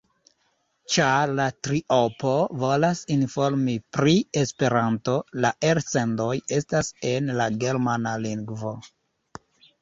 Ĉar la triopo volas informi pri Esperanto, la elsendoj estas en la germana lingvo.